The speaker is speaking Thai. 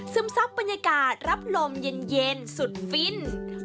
ซับบรรยากาศรับลมเย็นสุดฟิน